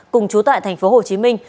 cùng chú tại thành phố hồ chí minh